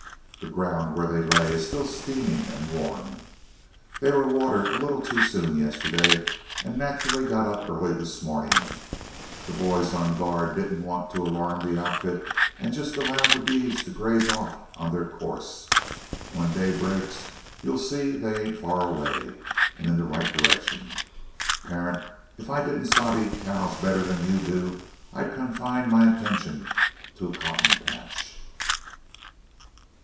The ground where they lay is still steaming and warm. They were watered a little too soon yesterday and naturally got up early this morning. The boys on guard didn't want to alarm the outfit, and just allowed the beeves to graze off on their course. When day breaks, you'll see they ain't far away, and in the right direction. Parent, if I didn't sabe cows better than you do, I'd confine my attention to a cotton patch."